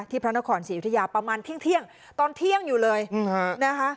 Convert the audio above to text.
พระนครศรียุธยาประมาณเที่ยงตอนเที่ยงอยู่เลยนะคะ